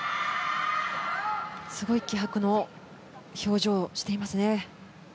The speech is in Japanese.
すごい気迫の表情をしていますね。